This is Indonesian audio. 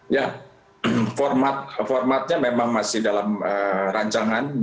ya formatnya memang masih dalam rancangan